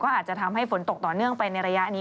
อาจจะทำให้ฝนตกต่อเนื่องไปในระยะนี้